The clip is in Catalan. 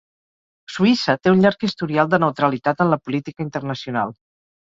Suïssa té un llarg historial de neutralitat en la política internacional.